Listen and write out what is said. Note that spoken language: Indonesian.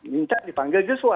minta dipanggil yuswa